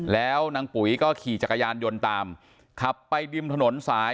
แล้วนางปุ๋ยก็ขี่จักรยานยนต์ตามขับไปริมถนนสาย